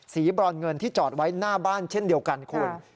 บรอนเงินที่จอดไว้หน้าบ้านเช่นเดียวกันคุณ